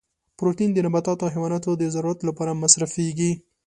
پروتین د نباتاتو او حیواناتو د ضرورت لپاره مصرفیږي.